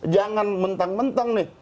jangan mentang mentang nih